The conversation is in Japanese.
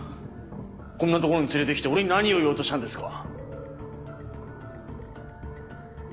こんな所に連れてきて俺に何を言おうとしたんですか？